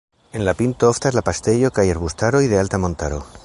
En la pintoj oftas la paŝtejoj kaj arbustaroj de alta montaro.